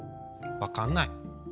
わかんない。